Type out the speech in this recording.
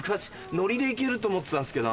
ノリでいけると思ってたんですけど。